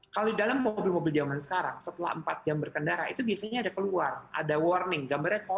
kalau di dalam mobil mobil zaman sekarang setelah empat jam berkendara itu biasanya ada keluar ada warning gambarnya